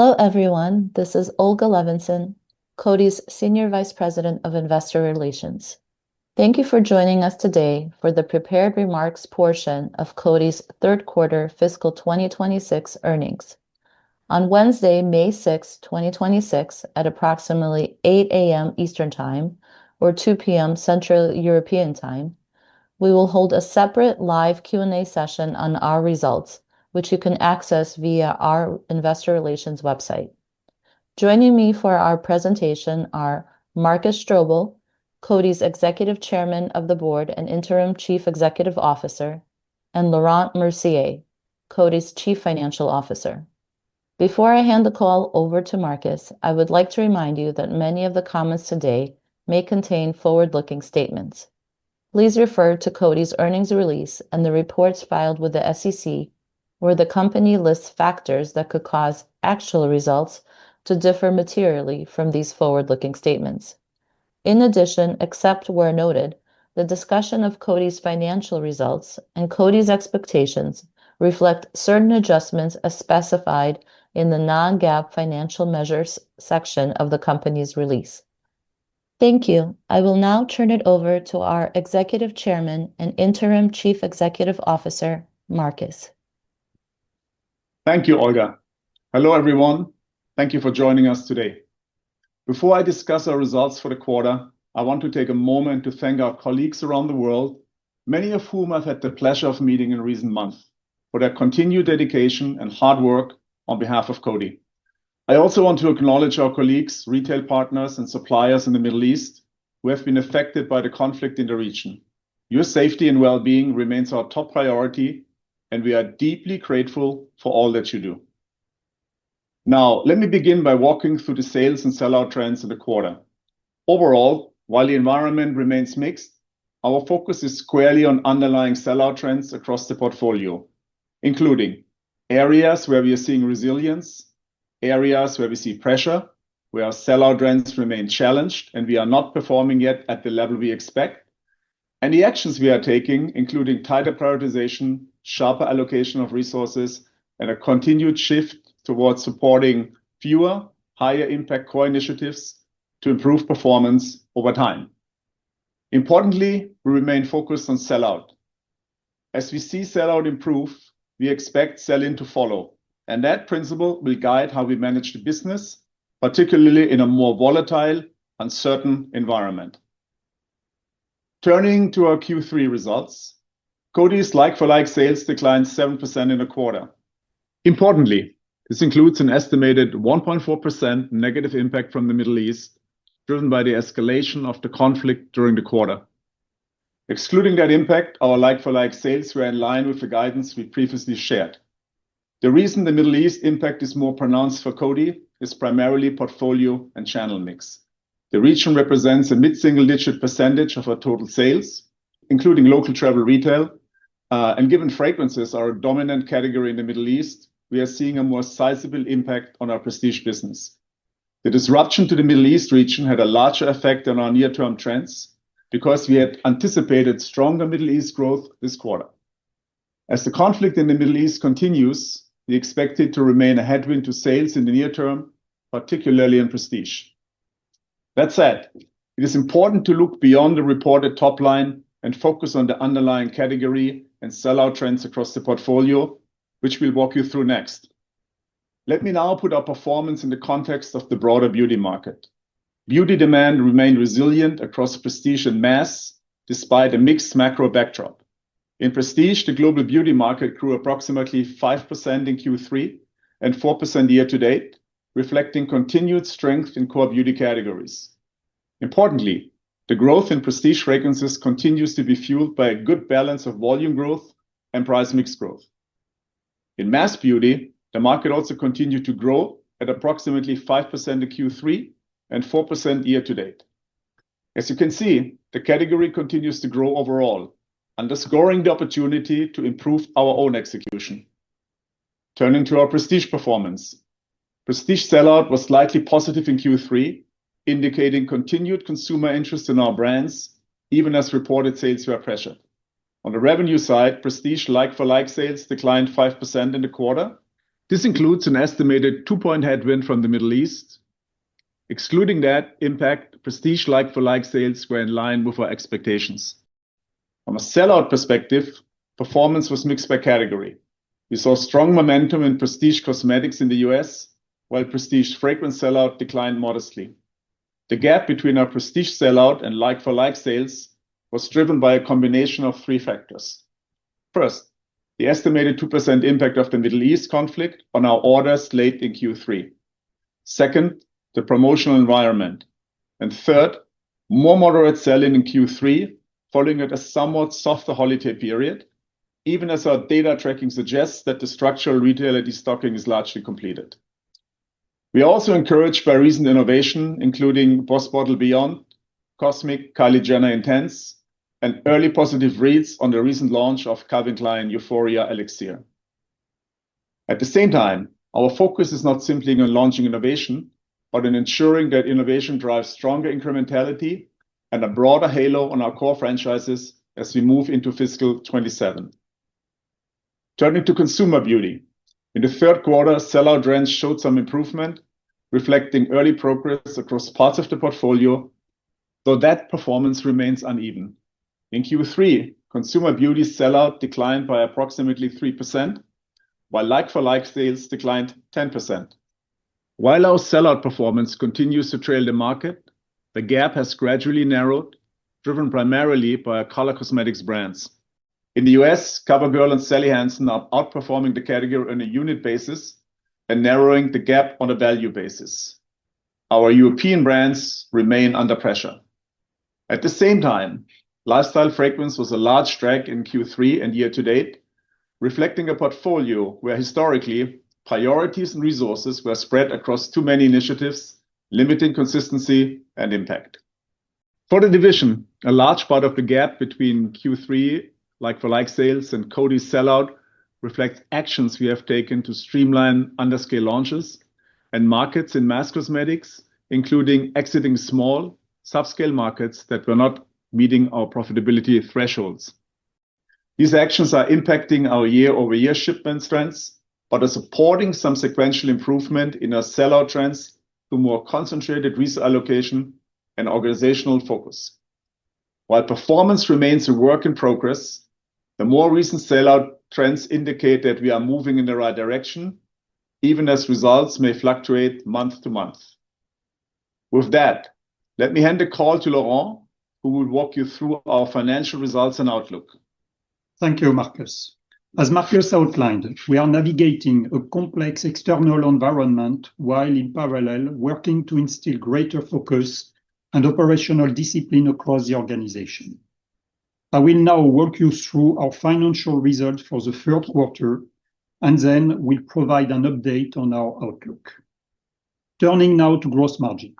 Hello, everyone. This is Olga Levinson, Coty's Senior Vice President of Investor Relations. Thank you for joining us today for the prepared remarks portion of Coty's Third Quarter Fiscal 2026 Earnings. On Wednesday, May 6th, 2026, at approximately 8:00 A.M. Eastern Time or 2:00 P.M. Central European Time, we will hold a separate live Q&A session on our results, which you can access via our investor relations website. Joining me for our presentation are Markus Strobel, Coty's Executive Chairman of the Board and Interim Chief Executive Officer, and Laurent Mercier, Coty's Chief Financial Officer. Before I hand the call over to Markus, I would like to remind you that many of the comments today may contain forward-looking statements. Please refer to Coty's earnings release and the reports filed with the SEC, where the company lists factors that could cause actual results to differ materially from these forward-looking statements. In addition, except where noted, the discussion of Coty's financial results and Coty's expectations reflect certain adjustments as specified in the non-GAAP financial measures section of the company's release. Thank you. I will now turn it over to our Executive Chairman and Interim Chief Executive Officer, Markus. Thank you, Olga. Hello, everyone. Thank you for joining us today. Before I discuss our results for the quarter, I want to take a moment to thank our colleagues around the world, many of whom I've had the pleasure of meeting in recent months, for their continued dedication and hard work on behalf of Coty. I also want to acknowledge our colleagues, retail partners, and suppliers in the Middle East who have been affected by the conflict in the region. Your safety and well-being remains our top priority, and we are deeply grateful for all that you do. Let me begin by walking through the sales and sell-out trends of the quarter. Overall, while the environment remains mixed, our focus is squarely on underlying sell-out trends across the portfolio, including areas where we are seeing resilience, areas where we see pressure, where our sell-out trends remain challenged, and we are not performing yet at the level we expect, and the actions we are taking, including tighter prioritization, sharper allocation of resources, and a continued shift towards supporting fewer, higher impact core initiatives to improve performance over time. Importantly, we remain focused on sell-out. As we see sell-out improve, we expect sell-in to follow, and that principle will guide how we manage the business, particularly in a more volatile, uncertain environment. Turning to our Q3 results, Coty's like-for-like sales declined 7% in the quarter. Importantly, this includes an estimated 1.4% negative impact from the Middle East, driven by the escalation of the conflict during the quarter. Excluding that impact, our like-for-like sales were in line with the guidance we previously shared. The reason the Middle East impact is more pronounced for Coty is primarily portfolio and channel mix. The region represents a mid-single-digit percentage of our total sales, including local travel retail, and given fragrances are a dominant category in the Middle East, we are seeing a more sizable impact on our prestige business. The disruption to the Middle East region had a larger effect on our near-term trends because we had anticipated stronger Middle East growth this quarter. As the conflict in the Middle East continues, we expect it to remain a headwind to sales in the near term, particularly in prestige. That said, it is important to look beyond the reported top line and focus on the underlying category and sell-out trends across the portfolio, which we'll walk you through next. Let me now put our performance in the context of the broader beauty market. Beauty demand remained resilient across prestige and mass despite a mixed macro backdrop. In prestige, the global beauty market grew approximately 5% in Q3 and 4% year-to-date, reflecting continued strength in core beauty categories. Importantly, the growth in prestige fragrances continues to be fueled by a good balance of volume growth and price mix growth. In mass beauty, the market also continued to grow at approximately 5% in Q3 and 4% year-to-date. As you can see, the category continues to grow overall, underscoring the opportunity to improve our own execution. Turning to our prestige performance, prestige sell-out was slightly positive in Q3, indicating continued consumer interest in our brands, even as reported sales were pressured. On the revenue side, prestige like-for-like sales declined 5% in the quarter. This includes an estimated 2-point headwind from the Middle East. Excluding that impact, prestige like-for-like sales were in line with our expectations. From a sell-out perspective, performance was mixed by category. We saw strong momentum in prestige cosmetics in the U.S., while prestige fragrance sell-out declined modestly. The gap between our prestige sell-out and like-for-like sales was driven by a combination of three factors. First, the estimated 2% impact of the Middle East conflict on our orders late in Q3. Second, the promotional environment. Third, more moderate sell-in in Q3 following at a somewhat softer holiday period, even as our data tracking suggests that the structural retail destocking is largely completed. We are also encouraged by recent innovation, including BOSS Bottled Beyond, Cosmic Kylie Jenner Intense, and early positive reads on the recent launch of Calvin Klein Euphoria Elixirs. At the same time, our focus is not simply on launching innovation, but in ensuring that innovation drives stronger incrementality and a broader halo on our core franchises as we move into fiscal 2027. Turning to Consumer Beauty. In the third quarter, sell-out trends showed some improvement, reflecting early progress across parts of the portfolio, though that performance remains uneven. In Q3, Consumer Beauty sell-out declined by approximately 3%, while like-for-like sales declined 10%. While our sell-out performance continues to trail the market, the gap has gradually narrowed, driven primarily by color cosmetics brands. In the U.S., CoverGirl and Sally Hansen are outperforming the category on a unit basis and narrowing the gap on a value basis. Our European brands remain under pressure. At the same time, lifestyle fragrance was a large drag in Q3 and year-to-date, reflecting a portfolio where historically, priorities and resources were spread across too many initiatives, limiting consistency and impact. For the division, a large part of the gap between Q3, like-for-like sales, and Coty's sellout reflects actions we have taken to streamline under-scale launches and markets in mass cosmetics, including exiting small subscale markets that were not meeting our profitability thresholds. These actions are impacting our year-over-year shipment strengths, but are supporting some sequential improvement in our sellout trends to more concentrated resource allocation and organizational focus. While performance remains a work in progress, the more recent sellout trends indicate that we are moving in the right direction, even as results may fluctuate month-to-month. With that, let me hand the call to Laurent, who will walk you through our financial results and outlook. Thank you, Markus. As Markus outlined, we are navigating a complex external environment while in parallel working to instill greater focus and operational discipline across the organization. I will now walk you through our financial results for the third quarter and will provide an update on our outlook. Turning now to gross margin.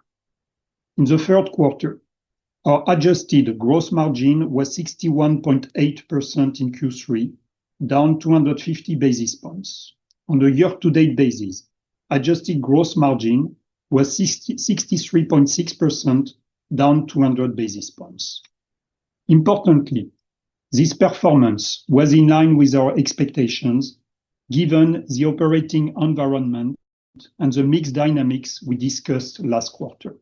In the third quarter, our adjusted gross margin was 61.8% in Q3, down 250 basis points. On a year-to-date basis, adjusted gross margin was 63.6%, down 200 basis points. Importantly, this performance was in line with our expectations given the operating environment and the mix dynamics we discussed last quarter.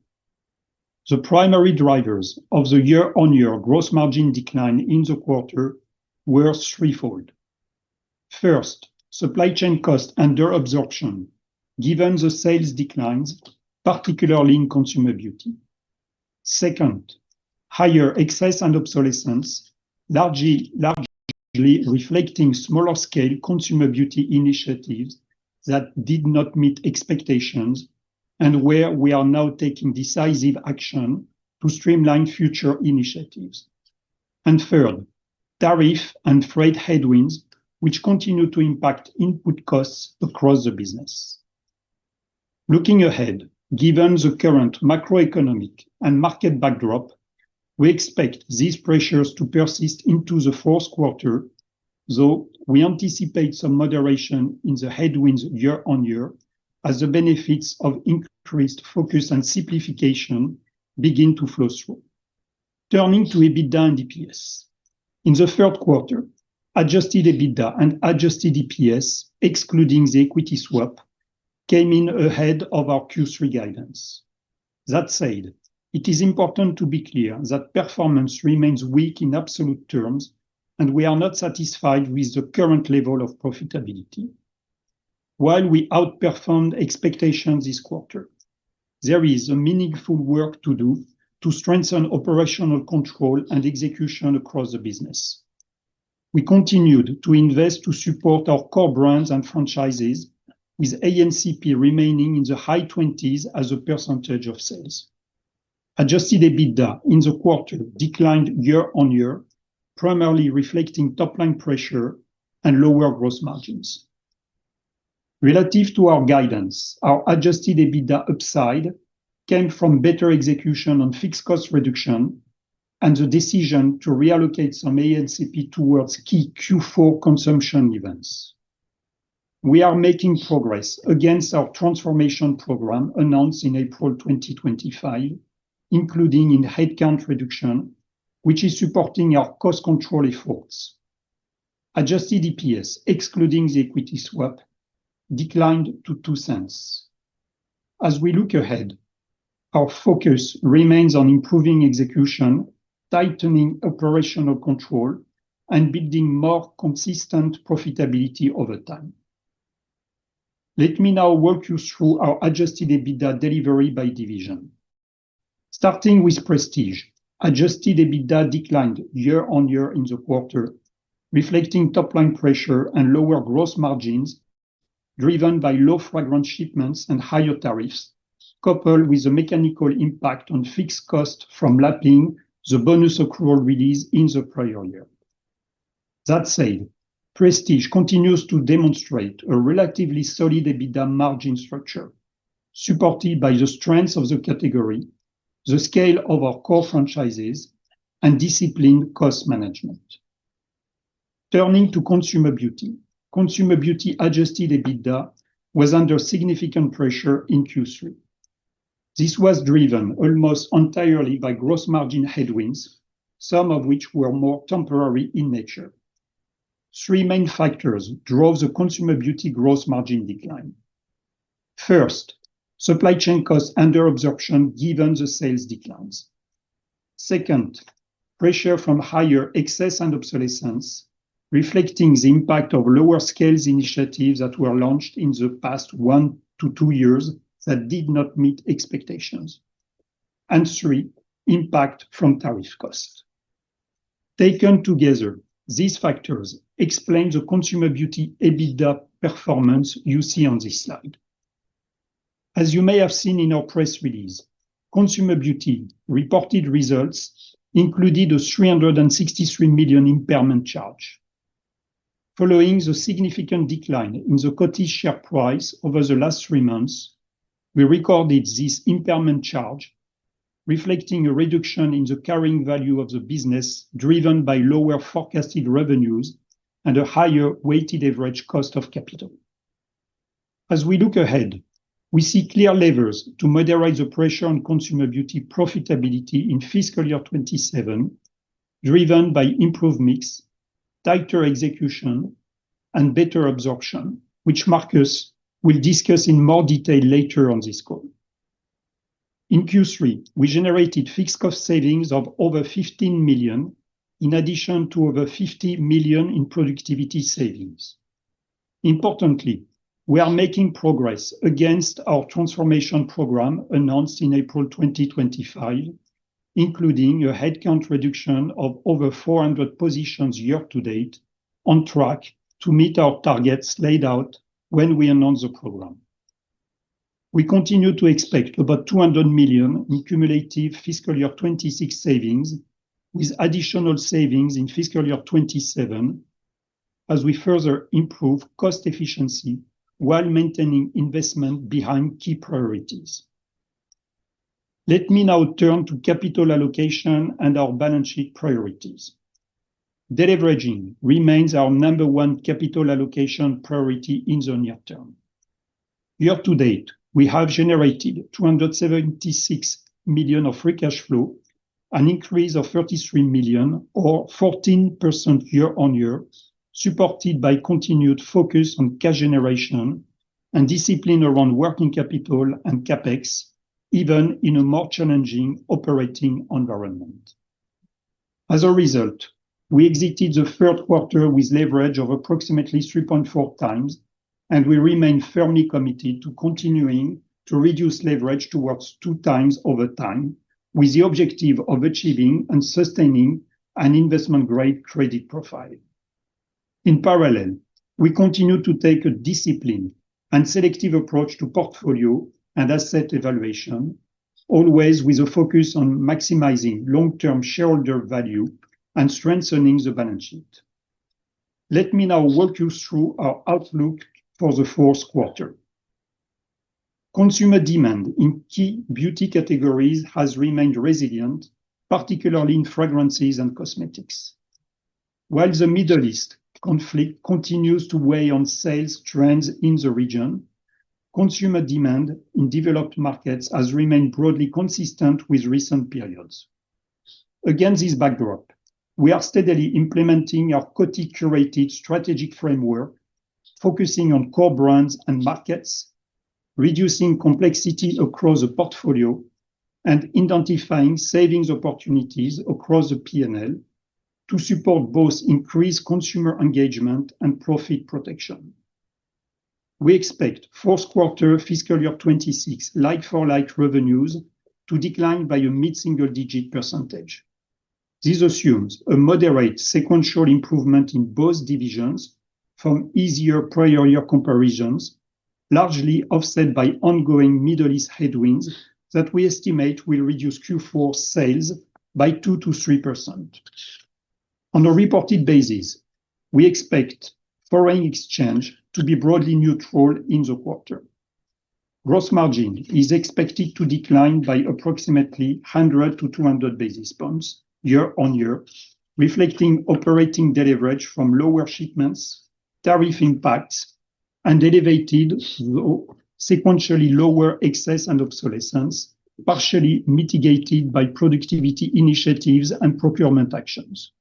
The primary drivers of the year-on-year gross margin decline in the quarter were threefold. First, supply chain costs under absorption, given the sales declines, particularly in consumer beauty. Second, higher excess and obsolescence, largely reflecting smaller scale consumer beauty initiatives that did not meet expectations and where we are now taking decisive action to streamline future initiatives. Third, tariff and freight headwinds, which continue to impact input costs across the business. Looking ahead, given the current macroeconomic and market backdrop, we expect these pressures to persist into the fourth quarter, though we anticipate some moderation in the headwind's year-on-year as the benefits of increased focus and simplification begin to flow through. Turning to EBITDA and EPS. In the third quarter, adjusted EBITDA and adjusted EPS, excluding the equity swap, came in ahead of our Q3 guidance. That said, it is important to be clear that performance remains weak in absolute terms, and we are not satisfied with the current level of profitability. While we outperformed expectations this quarter, there is a meaningful work to do to strengthen operational control and execution across the business. We continued to invest to support our core brands and franchises, with A&CP remaining in the high 20s as a percentage of sales. Adjusted EBITDA in the quarter declined year-on-year, primarily reflecting top-line pressure and lower gross margins. Relative to our guidance, our adjusted EBITDA upside came from better execution on fixed cost reduction and the decision to reallocate some A&CP towards key Q4 consumption events. We are making progress against our transformation program announced in April 2025, including in headcount reduction, which is supporting our cost control efforts. Adjusted EPS, excluding the equity swap, declined to $0.02. As we look ahead, our focus remains on improving execution, tightening operational control, and building more consistent profitability over time. Let me now walk you through our adjusted EBITDA delivery by division. Starting with Prestige, adjusted EBITDA declined year-on-year in the quarter, reflecting top-line pressure and lower gross margins driven by low fragrance shipments and higher tariffs, coupled with the mechanical impact on fixed cost from lapping the bonus accrual release in the prior year. Prestige continues to demonstrate a relatively solid EBITDA margin structure, supported by the strength of the category, the scale of our core franchises, and disciplined cost management. Turning to Consumer Beauty. Consumer Beauty adjusted EBITDA was under significant pressure in Q3. This was driven almost entirely by gross margin headwinds, some of which were more temporary in nature. Three main factors drove the Consumer Beauty gross margin decline. First, supply chain costs under absorption given the sales declines. Second, pressure from higher excess and obsolescence, reflecting the impact of lower scales initiatives that were launched in the past one to two-years that did not meet expectations. three, impact from tariff costs. Taken together, these factors explain the Consumer Beauty EBITDA performance you see on this slide. As you may have seen in our press release, Consumer Beauty reported results included a $363 million impairment charge. Following the significant decline in the Coty share price over the last three-months, we recorded this impairment charge, reflecting a reduction in the carrying value of the business, driven by lower forecasted revenues and a higher weighted average cost of capital. As we look ahead, we see clear levers to moderate the pressure on Consumer Beauty profitability in fiscal year 2027, driven by improved mix, tighter execution, and better absorption, which Markus will discuss in more detail later on this call. In Q3, we generated fixed cost savings of over $15 million, in addition to over $50 million in productivity savings. Importantly, we are making progress against our transformation program announced in April 2025, including a headcount reduction of over 400 positions year-to-date on track to meet our targets laid out when we announced the program. We continue to expect about $200 million in cumulative fiscal year 2026 savings, with additional savings in fiscal year 2027, as we further improve cost efficiency while maintaining investment behind key priorities. Let me now turn to capital allocation and our balance sheet priorities. Deleveraging remains our number one capital allocation priority in the near term. Year to date, we have generated $276 million of free cash flow, an increase of $33 million or 14% year-on-year, supported by continued focus on cash generation and discipline around working capital and CapEx, even in a more challenging operating environment. As a result, we exited the third quarter with leverage of approximately 3.4 times. We remain firmly committed to continuing to reduce leverage towards 2 times over time, with the objective of achieving and sustaining an investment-grade credit profile. In parallel, we continue to take a disciplined and selective approach to portfolio and asset evaluation, always with a focus on maximizing long-term shareholder value and strengthening the balance sheet. Let me now walk you through our outlook for the fourth quarter. Consumer demand in key beauty categories has remained resilient, particularly in fragrances and cosmetics. While the Middle East conflict continues to weigh on sales trends in the region, consumer demand in developed markets has remained broadly consistent with recent periods. Against this backdrop, we are steadily implementing our Coty.Curated strategic framework, focusing on core brands and markets, reducing complexity across the portfolio, and identifying savings opportunities across the P&L to support both increased consumer engagement and profit protection. We expect fourth quarter fiscal year 2026 like-for-like revenues to decline by a mid-single digit percentage. This assumes a moderate sequential improvement in both divisions from easier prior year comparisons, largely offset by ongoing Middle East headwinds that we estimate will reduce Q4 sales by 2%-3%. On a reported basis, we expect foreign exchange to be broadly neutral in the quarter. Gross margin is expected to decline by approximately 100 basis points-200 basis points year-on-year, reflecting operating deleverage from lower shipments, tariff impacts, and elevated sequentially lower excess and obsolescence, partially mitigated by productivity initiatives and procurement actions.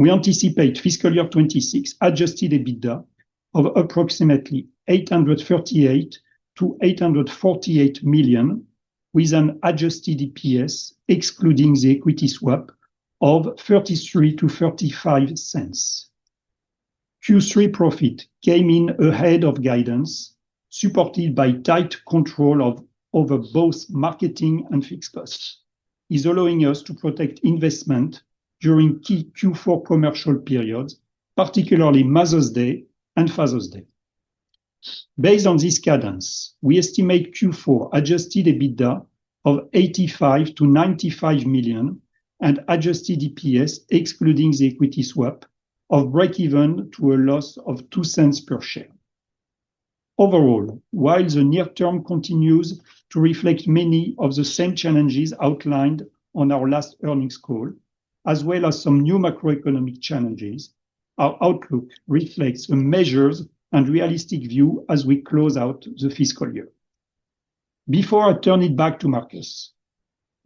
We anticipate fiscal year 2026 adjusted EBITDA of approximately $838 million-$848 million, with an adjusted EPS excluding the equity swap of $0.33-$0.35. Q3 profit came in ahead of guidance, supported by tight control over both marketing and fixed costs, is allowing us to protect investment during key Q4 commercial periods, particularly Mother's Day and Father's Day. Based on this guidance, we estimate Q4 adjusted EBITDA of $85 million-$95 million and adjusted EPS excluding the equity swap of breakeven to a loss of $0.02 per share. Overall, while the near term continues to reflect many of the same challenges outlined on our last earnings call, as well as some new macroeconomic challenges. Our outlook reflects the measures and realistic view as we close out the fiscal year. Before I turn it back to Markus,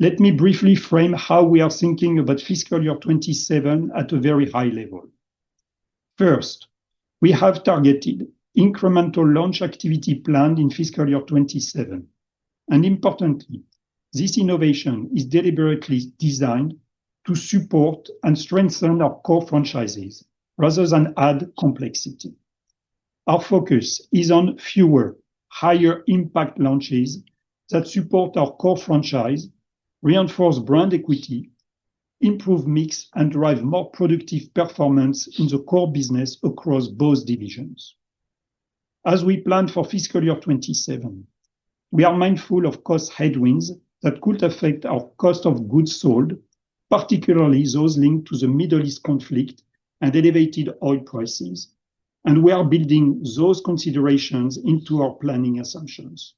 let me briefly frame how we are thinking about fiscal year 2027 at a very high level. First, we have targeted incremental launch activity planned in fiscal year 2027. Importantly, this innovation is deliberately designed to support and strengthen our core franchises, rather than add complexity. Our focus is on fewer, higher impact launches that support our core franchise, reinforce brand equity, improve mix, and drive more productive performance in the core business across both divisions. As we plan for fiscal year 2027, we are mindful of cost headwinds that could affect our cost of goods sold, particularly those linked to the Middle East conflict and elevated oil prices. We are building those considerations into our planning assumptions.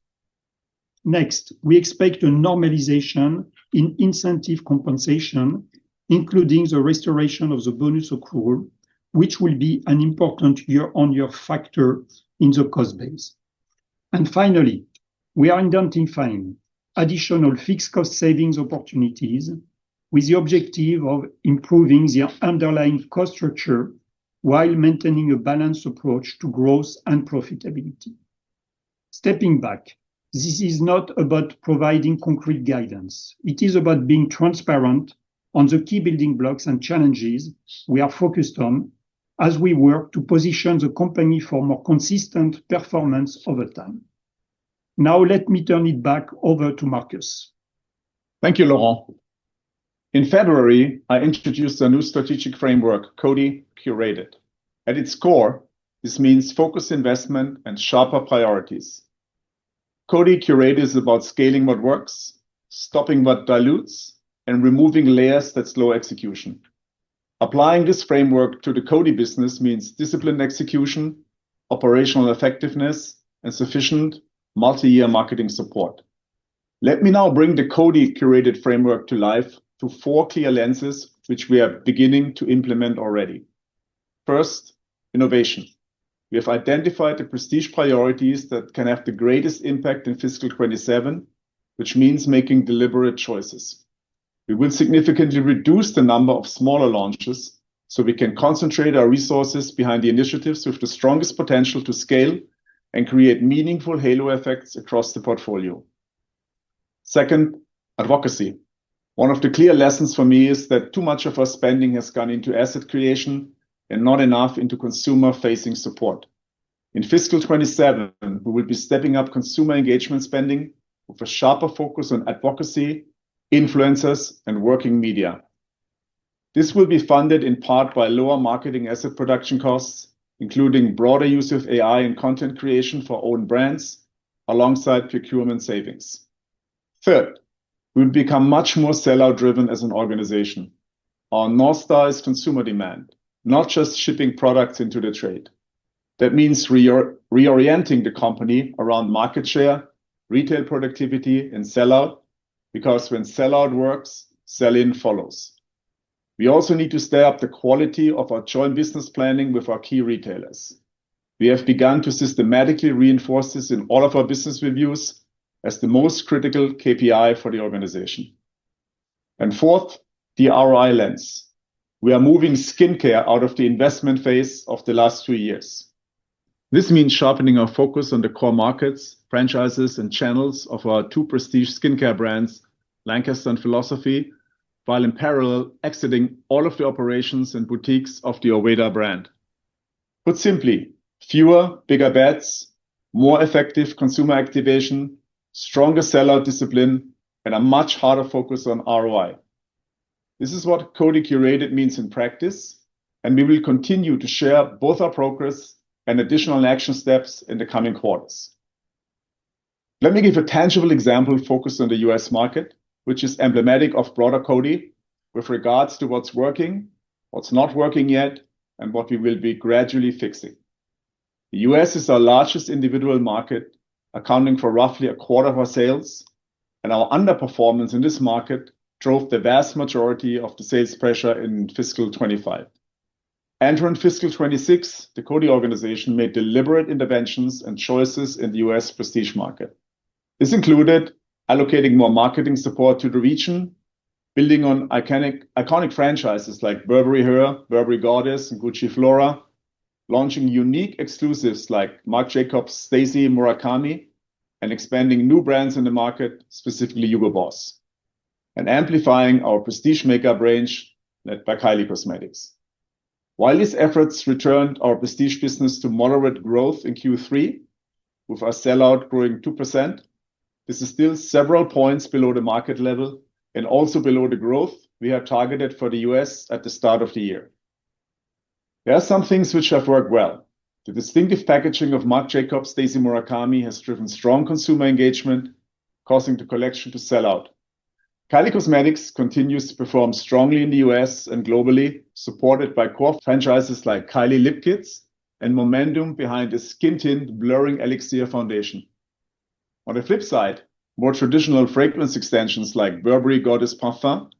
We expect a normalization in incentive compensation, including the restoration of the bonus accrual, which will be an important year-over-year factor in the cost base. Finally, we are identifying additional fixed cost savings opportunities with the objective of improving the underlying cost structure while maintaining a balanced approach to growth and profitability. Stepping back, this is not about providing concrete guidance. It is about being transparent on the key building blocks and challenges we are focused on as we work to position the company for more consistent performance over time. Let me turn it back over to Markus. Thank you, Laurent. In February, I introduced a new strategic framework, Coty.Curated. At its core, this means focused investment and sharper priorities. Coty.Curated is about scaling what works, stopping what dilutes, and removing layers that slow execution. Applying this framework to the Coty business means disciplined execution, operational effectiveness, and sufficient multi-year marketing support. Let me now bring the Coty.Curated framework to life through four clear lenses, which we are beginning to implement already. First, innovation. We have identified the prestige priorities that can have the greatest impact in fiscal 2027, which means making deliberate choices. We will significantly reduce the number of smaller launches, so we can concentrate our resources behind the initiatives with the strongest potential to scale and create meaningful halo effects across the portfolio. Second, advocacy. One of the clear lessons for me is that too much of our spending has gone into asset creation and not enough into consumer-facing support. In fiscal 2027, we will be stepping up consumer engagement spending with a sharper focus on advocacy, influencers, and working media. This will be funded in part by lower marketing asset production costs, including broader use of AI and content creation for own brands, alongside procurement savings. Third, we've become much more sell-out driven as an organization on North Star consumer demand, not just shipping products into the trade. That means reorienting the company around market share, retail productivity, and sell-out, because when sell-out works, sell-in follows. We also need to step up the quality of our joint business planning with our key retailers. We have begun to systematically reinforce this in all of our business reviews as the most critical KPI for the organization. Fourth, the ROI lens. We are moving skincare out of the investment phase of the last three-years. This means sharpening our focus on the core markets, franchises, and channels of our two prestige skincare brands, Lancaster and Philosophy, while in parallel exiting all of the operations and boutiques of the Orveda brand. Put simply, fewer bigger bets, more effective consumer activation, stronger sell-out discipline, a much harder focus on ROI. This is what Coty.Curated means in practice, we will continue to share both our progress and additional action steps in the coming quarters. Let me give a tangible example focused on the U.S. market, which is emblematic of broader Coty with regards to what's working, what's not working yet, what we will be gradually fixing. The U.S. is our largest individual market, accounting for roughly a quarter of our sales, and our underperformance in this market drove the vast majority of the sales pressure in fiscal 2025. Entering fiscal 2026, the Coty organization made deliberate interventions and choices in the U.S. prestige market. This included allocating more marketing support to the region, building on iconic franchises like Burberry Her, Burberry Goddess, and Gucci Flora, launching unique exclusives like Marc Jacobs x Takashi Murakami, and expanding new brands in the market, specifically Hugo Boss, and amplifying our prestige makeup range led by Kylie Cosmetics. These efforts returned our prestige business to moderate growth in Q3, with our sell-out growing 2%. This is still several points below the market level and also below the growth we had targeted for the U.S. at the start of the year. There are some things which have worked well. The distinctive packaging of Marc Jacobs x Takashi Murakami has driven strong consumer engagement, causing the collection to sell out. Kylie Cosmetics continues to perform strongly in the U.S. and globally, supported by core franchises like Kylie Lip Kits and momentum behind the Skin Tint Blurring Elixir foundation. On the flip side, more traditional fragrance extensions like Burberry Goddess Parfum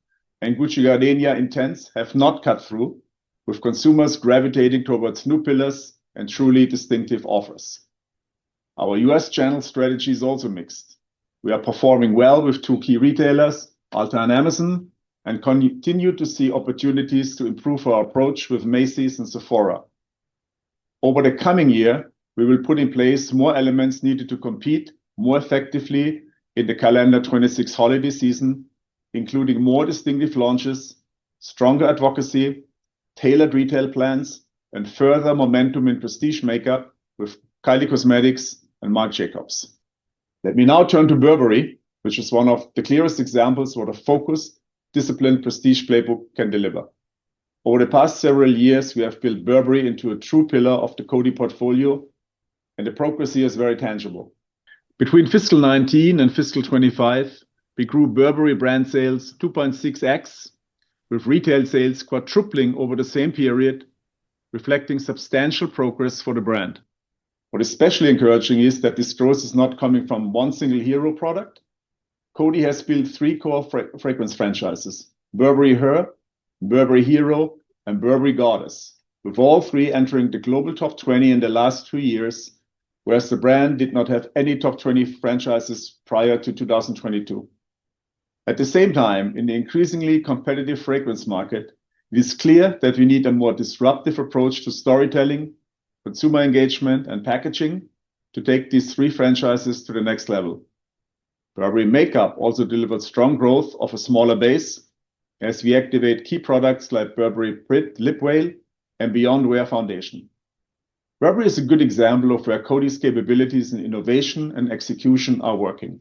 and Gucci Gardenia Intense have not cut through, with consumers gravitating towards new pillars and truly distinctive offers. Our U.S. channel strategy is also mixed. We are performing well with two key retailers, Ulta and Amazon, and continue to see opportunities to improve our approach with Macy's and Sephora. Over the coming year, we will put in place more elements needed to compete more effectively in the calendar 2026 holiday season, including more distinctive launches, stronger advocacy, tailored retail plans, and further momentum in prestige makeup with Kylie Cosmetics and Marc Jacobs. Let me now turn to Burberry, which is one of the clearest examples what a focused, disciplined prestige playbook can deliver. Over the past several years, we have built Burberry into a true pillar of the Coty portfolio, and the progress here is very tangible. Between fiscal 2019 and fiscal 2025, we grew Burberry brand sales 2.6x, with retail sales quadrupling over the same period, reflecting substantial progress for the brand. What is especially encouraging is that this growth is not coming from one single hero product. Coty has built three core fragrance franchises, Burberry Her, Burberry Hero, and Burberry Goddess, with all three entering the global top 20 in the last three-years, whereas the brand did not have any top 20 franchises prior to 2022. At the same time, in the increasingly competitive fragrance market, it is clear that we need a more disruptive approach to storytelling, consumer engagement, and packaging to take these three franchises to the next level. Burberry makeup also delivered strong growth of a smaller base as we activate key products like Burberry Lip Velvet and Beyond Wear Foundation. Burberry is a good example of where Coty's capabilities in innovation and execution are working.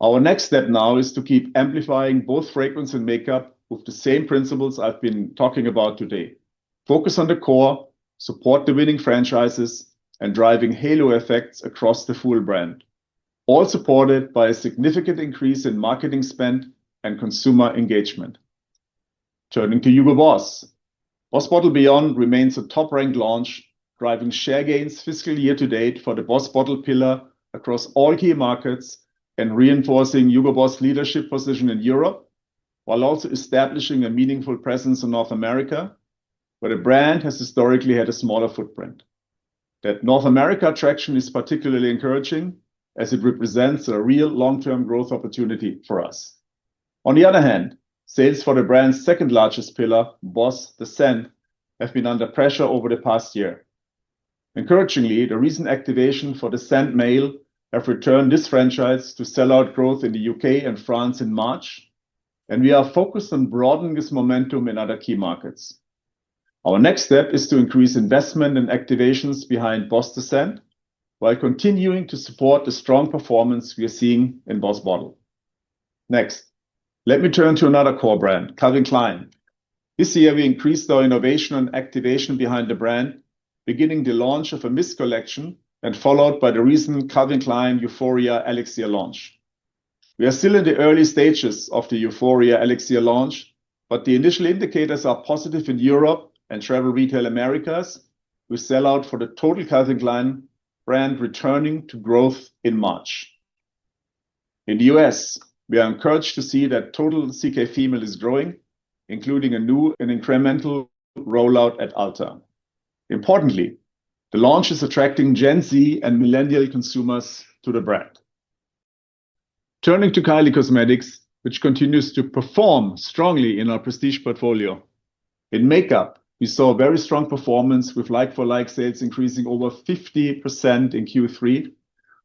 Our next step now is to keep amplifying both fragrance and makeup with the same principles I've been talking about today: focus on the core, support the winning franchises, and driving halo effects across the full brand, all supported by a significant increase in marketing spend and consumer engagement. Turning to Hugo Boss. BOSS Bottled Beyond remains a top-ranked launch, driving share gains fiscal year-to-date for the BOSS Bottled Beyond pillar across all key markets and reinforcing Hugo Boss leadership position in Europe, while also establishing a meaningful presence in North America, where the brand has historically had a smaller footprint. That North America traction is particularly encouraging, as it represents a real long-term growth opportunity for us. On the other hand, sales for the brand's second-largest pillar, BOSS The Scent, have been under pressure over the past year. Encouragingly, the recent activation for The Scent Male have returned this franchise to sell-out growth in the U.K. and France in March, and we are focused on broadening this momentum in other key markets. Our next step is to increase investment and activations behind BOSS The Scent while continuing to support the strong performance we are seeing in BOSS Bottled. Let me turn to another core brand, Calvin Klein. This year, we increased our innovation and activation behind the brand, beginning the launch of a Mist collection and followed by the recent Calvin Klein Euphoria Elixir launch. We are still in the early stages of the Euphoria Elixir launch, the initial indicators are positive in Europe and Travel Retail Americas, with sell-out for the total Calvin Klein brand returning to growth in March. In the U.S., we are encouraged to see that total CK female is growing, including a new and incremental rollout at Ulta. Importantly, the launch is attracting Gen Z and millennial consumers to the brand. Turning to Kylie Cosmetics, which continues to perform strongly in our prestige portfolio. In makeup, we saw a very strong performance with like-for-like sales increasing over 50% in Q3,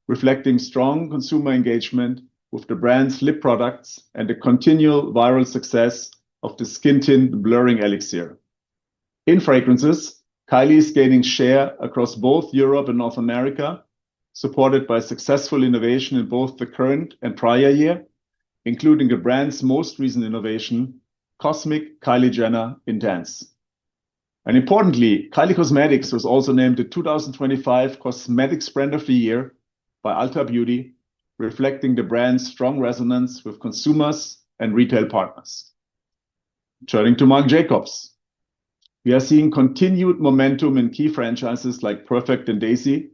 reflecting strong consumer engagement with the brand's lip products and the continual viral success of the Skin Tint Blurring Elixir. In fragrances, Kylie is gaining share across both Europe and North America, supported by successful innovation in both the current and prior year, including the brand's most recent innovation, Cosmic Kylie Jenner Intense. Importantly, Kylie Cosmetics was also named the 2025 Cosmetics Brand of the Year by Ulta Beauty, reflecting the brand's strong resonance with consumers and retail partners. Turning to Marc Jacobs, we are seeing continued momentum in key franchises like Perfect and Daisy,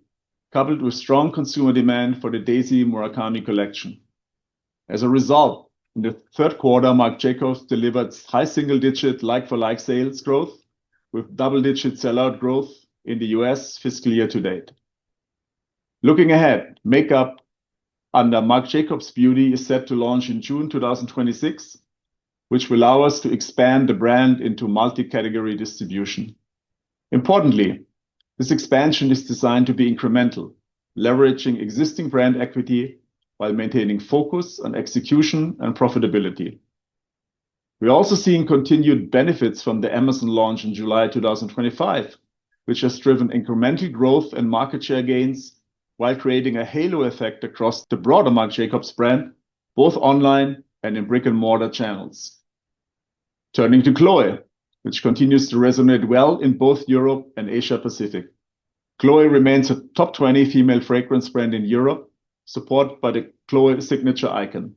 coupled with strong consumer demand for the Daisy Murakami collection. As a result, in the third quarter, Marc Jacobs delivered high single-digit like-for-like sales growth with double-digit sell-out growth in the U.S. fiscal year-to-date. Looking ahead, makeup under Marc Jacobs Beauty is set to launch in June 2026, which will allow us to expand the brand into multi-category distribution. Importantly, this expansion is designed to be incremental, leveraging existing brand equity while maintaining focus on execution and profitability. We are also seeing continued benefits from the Amazon launch in July 2025, which has driven incremental growth and market share gains while creating a halo effect across the broader Marc Jacobs brand, both online and in brick-and-mortar channels. Turning to Chloé, which continues to resonate well in both Europe and Asia Pacific. Chloé remains a top-20 female fragrance brand in Europe, supported by the Chloé signature icon.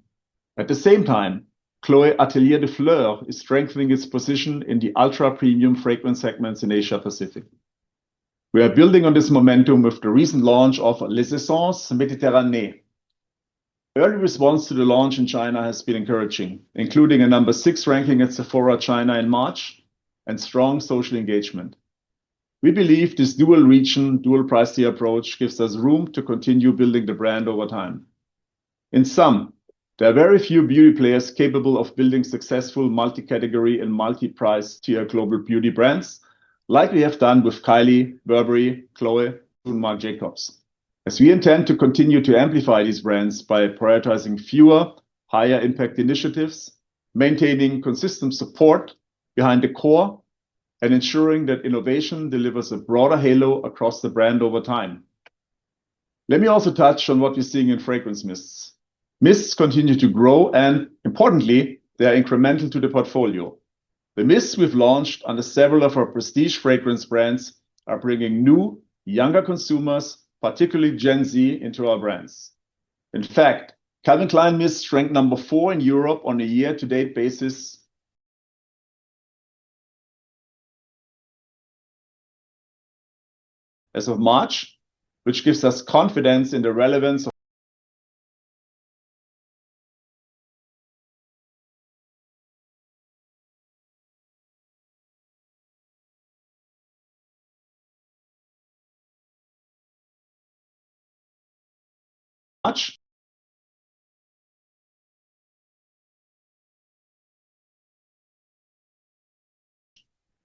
At the same time, Chloé Atelier des Fleurs is strengthening its position in the ultra-premium fragrance segments in Asia Pacific. We are building on this momentum with the recent launch of L'Essence Méditerranée. Early response to the launch in China has been encouraging, including a number six ranking at Sephora China in March and strong social engagement. We believe this dual region; dual price tier approach gives us room to continue building the brand over time. In sum, there are very few beauty players capable of building successful multi-category and multi-price tier global beauty brands like we have done with Kylie, Burberry, Chloé, and Marc Jacobs. We intend to continue to amplify these brands by prioritizing fewer, higher impact initiatives, maintaining consistent support behind the core, and ensuring that innovation delivers a broader halo across the brand over time. Let me also touch on what we're seeing in fragrance mists. Mists continue to grow. Importantly, they are incremental to the portfolio. The mists we've launched under several of our prestige fragrance brands are bringing new, younger consumers, particularly Gen Z, into our brands. In fact, Calvin Klein Mists ranked number four in Europe on a year-to-date basis as of March,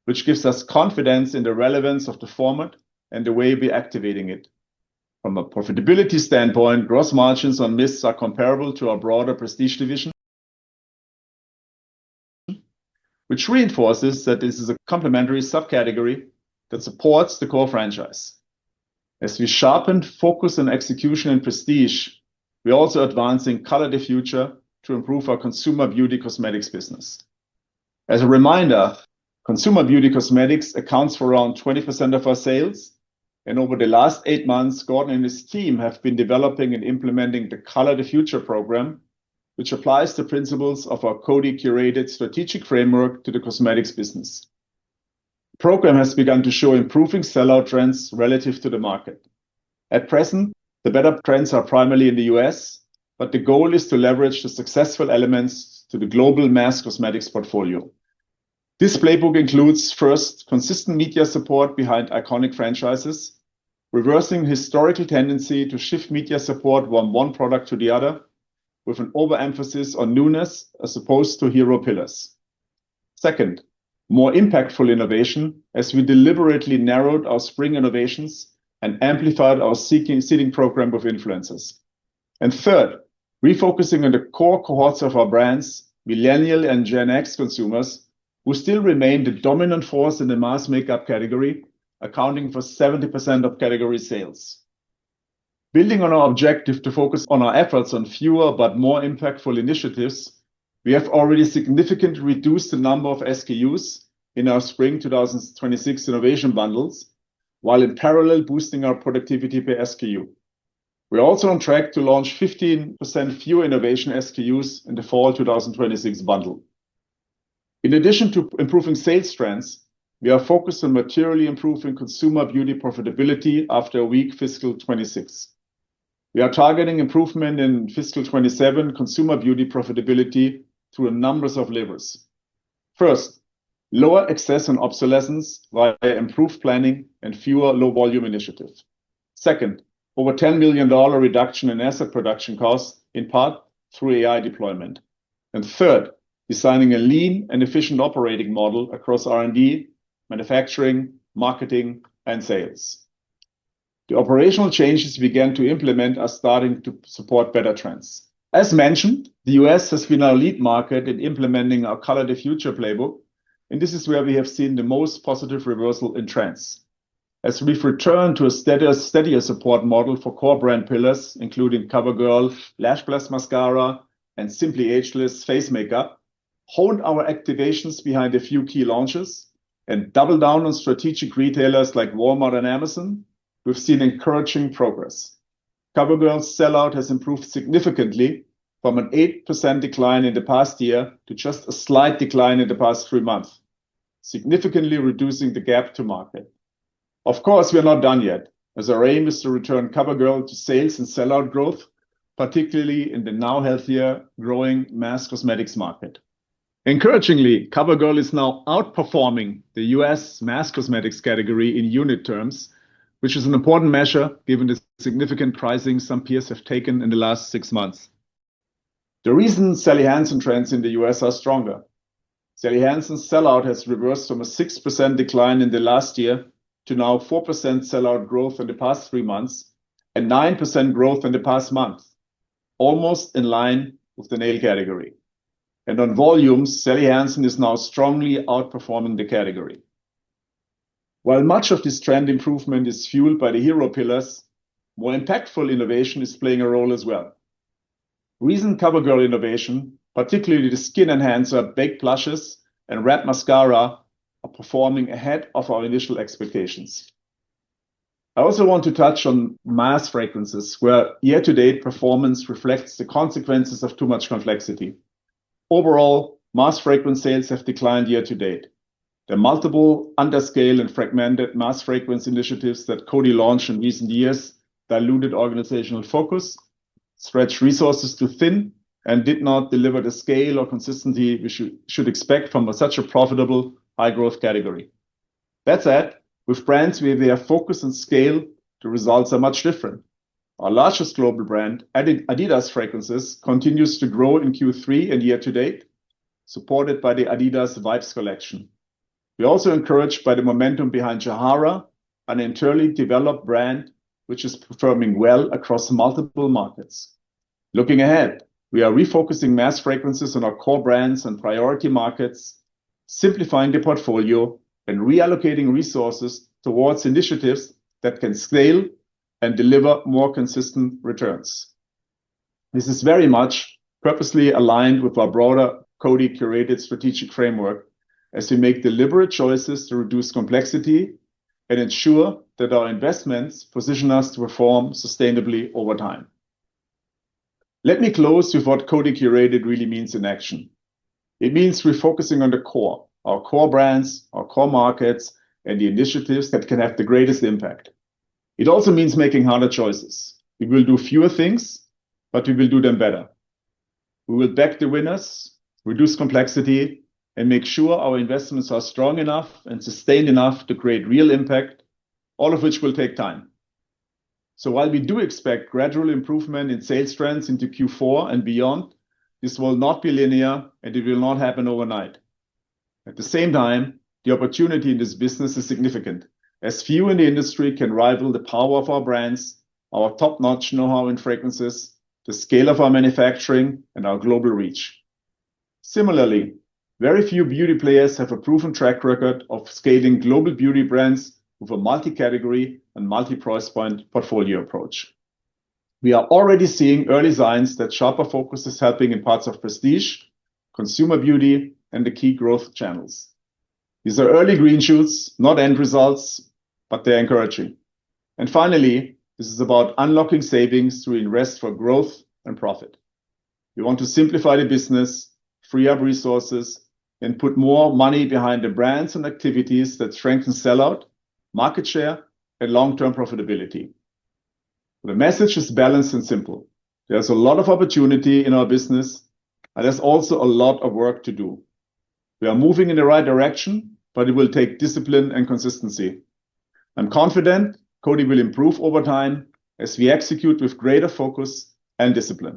which gives us confidence in the relevance of the format and the way we're activating it. From a profitability standpoint, gross margins on mists are comparable to our broader prestige division, which reinforces that this is a complementary subcategory that supports the core franchise. As we sharpen focus on execution and prestige, we're also advancing Color the Future to improve our Consumer Beauty cosmetics business. As a reminder, consumer beauty cosmetics accounts for around 20% of our sales, and over the last eight-months, Gordon and his team have been developing and implementing the Color the Future program, which applies the principles of our Coty.Curated strategic framework to the cosmetics business. The program has begun to show improving sell-out trends relative to the market. At present, the better trends are primarily in the U.S., but the goal is to leverage the successful elements to the global mass cosmetics portfolio. This playbook includes, first, consistent media support behind iconic franchises, reversing historical tendency to shift media support from one product to the other, with an overemphasis on newness as opposed to hero pillars. Second, more impactful innovation as we deliberately narrowed our spring innovations and amplified our seeking, seeding program of influencers. Third, refocusing on the core cohorts of our brands, Millennial and Gen X consumers, who still remain the dominant force in the mass makeup category, accounting for 70% of category sales. Building on our objective to focus on our efforts on fewer but more impactful initiatives, we have already significantly reduced the number of SKUs in our spring 2026 innovation bundles, while in parallel boosting our productivity per SKU. We are also on track to launch 15% fewer innovation SKUs in the fall 2026 bundle. In addition to improving sales trends, we are focused on materially improving Consumer Beauty profitability after a weak fiscal 2026. We are targeting improvement in fiscal 2027 Consumer Beauty profitability through a number of levers. First, lower excess and obsolescence via improved planning and fewer low volume initiatives. Second, over $10 million reduction in asset production costs, in part through AI deployment. Third, designing a lean and efficient operating model across R&D, manufacturing, marketing, and sales. The operational changes we began to implement are starting to support better trends. As mentioned, the U.S. has been our lead market in implementing our Color the Future playbook, and this is where we have seen the most positive reversal in trends. As we've returned to a steadier support model for core brand pillars, including CoverGirl, Lash Blast Mascara, and Simply Ageless face makeup, honed our activations behind a few key launches, and doubled down on strategic retailers like Walmart and Amazon, we've seen encouraging progress. CoverGirl's sell-out has improved significantly from an 8% decline in the past year to just a slight decline in the past three-months, significantly reducing the gap to market. Of course, we are not done yet, as our aim is to return CoverGirl to sales and sell-out growth, particularly in the now healthier, growing mass cosmetics market. Encouragingly, CoverGirl is now outperforming the U.S. mass cosmetics category in unit terms, which is an important measure given the significant pricing some peers have taken in the last six-months. The reason Sally Hansen trends in the U.S. are stronger. Sally Hansen's sell-out has reversed from a 6% decline in the last year to now 4% sell-out growth in the past three-months and 9% growth in the past month, almost in line with the nail category. On volumes, Sally Hansen is now strongly outperforming the category. While much of this trend improvement is fueled by the hero pillars, more impactful innovation is playing a role as well. Recent CoverGirl innovation, particularly the skin enhancer Baked Blushes and Red Mascara, are performing ahead of our initial expectations. I also want to touch on mass fragrances, where year-to-date performance reflects the consequences of too much complexity. Overall, mass fragrance sales have declined year-to-date. The multiple under scale and fragmented mass fragrance initiatives that Coty launched in recent years diluted organizational focus, stretched resources too thin, and did not deliver the scale or consistency we should expect from such a profitable high-growth category. That said, with brands where they are focused on scale, the results are much different. Our largest global brand, Adidas fragrances, continues to grow in Q3 and year-to-date, supported by the Adidas Vibes collection. We're also encouraged by the momentum behind Jawhara, an internally developed brand which is performing well across multiple markets. Looking ahead, we are refocusing mass fragrances on our core brands and priority markets, simplifying the portfolio and reallocating resources towards initiatives that can scale and deliver more consistent returns. This is very much purposely aligned with our broader Coty.Curated strategic framework as we make deliberate choices to reduce complexity and ensure that our investments position us to perform sustainably over time. Let me close with what Coty.Curated really means in action. It means refocusing on the core, our core brands, our core markets, and the initiatives that can have the greatest impact. It also means making harder choices. We will do fewer things, but we will do them better. We will back the winners, reduce complexity, and make sure our investments are strong enough and sustained enough to create real impact, all of which will take time. While we do expect gradual improvement in sales trends into Q4 and beyond, this will not be linear, and it will not happen overnight. At the same time, the opportunity in this business is significant, as few in the industry can rival the power of our brands, our top-notch know-how in fragrances, the scale of our manufacturing, and our global reach. Similarly, very few beauty players have a proven track record of scaling global beauty brands with a multi-category and multi-price point portfolio approach. We are already seeing early signs that sharper focus is helping in parts of prestige, consumer beauty, and the key growth channels. These are early green shoots, not end results, but they're encouraging. Finally, this is about unlocking savings to invest for growth and profit. We want to simplify the business, free up resources, and put more money behind the brands and activities that strengthen sell-out, market share, and long-term profitability. The message is balanced and simple. There's a lot of opportunity in our business, and there's also a lot of work to do. We are moving in the right direction, but it will take discipline and consistency. I'm confident Coty will improve over time as we execute with greater focus and discipline.